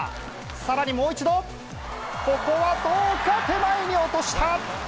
さらにもう一度、ここはどうか、手前に落とした。